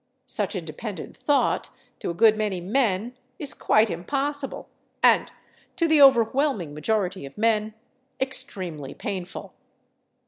Such independent thought, to a good many men, is quite impossible, and to the overwhelming majority of men, extremely painful.